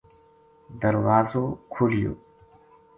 دروازو کھولیو